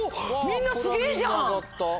みんなすげぇじゃん！